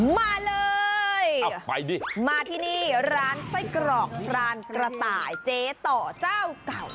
มาเลยมาที่นี่ร้านไส้กรอกพรานกระต่ายเจ๊ต่อเจ้าเก่า